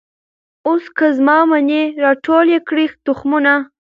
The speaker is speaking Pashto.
اوس که زما منۍ را ټول یې کړی تخمونه